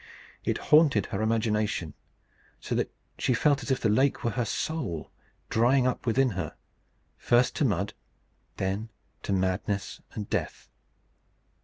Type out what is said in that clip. It haunted her imagination so that she felt as if the lake were her soul, drying up within her, first to mud, then to madness and death.